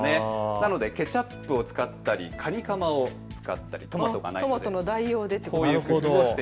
なのでケチャップを使ったりカニカマを使ったりトマトの代用でということですね。